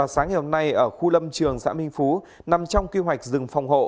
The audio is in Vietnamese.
sáng ngày hôm nay ở khu lâm trường xã minh phú nằm trong kế hoạch rừng phòng hộ